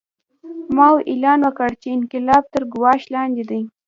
ماوو اعلان وکړ چې انقلاب تر ګواښ لاندې دی.